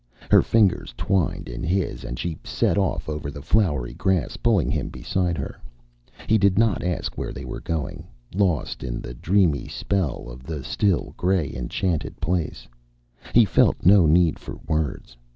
Her fingers twined in his and she set off over the flowery grass, pulling him beside her. He did not ask where they were going. Lost in the dreamy spell of the still, gray, enchanted place, he felt no need for words.